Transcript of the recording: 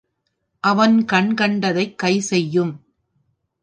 அவன் கண் கண்டதைக் கை செய்யும்.